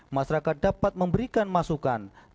masyarakat dapat memberikan masukan